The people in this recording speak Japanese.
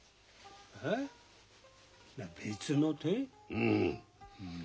うん。